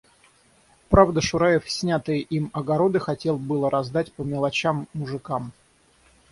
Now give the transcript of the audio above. Правда, Шураев снятые им огороды хотел было раздать по мелочам мужикам.